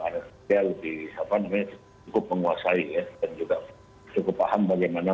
harus dia lebih cukup menguasai dan juga cukup paham bagaimana